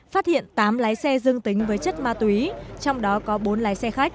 phát hiện tám lái xe dương tính với chất ma túy trong đó có bốn lái xe khách